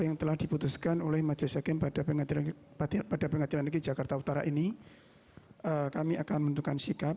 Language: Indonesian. yang didampingi oleh penasihat hukumnya